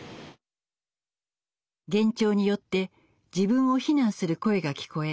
幻聴によって自分を非難する声が聞こえ